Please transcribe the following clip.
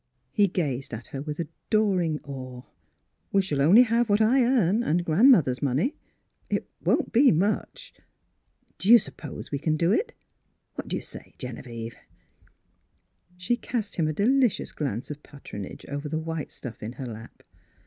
He gazed at her with adoring awe. *' We shall only have what I earn and grandmother's money. It won't be much. Do you suppose we can do it.? What do you say, Genevieve? " She cast him a delicious glance of pat ronage over the white stuff in her lap.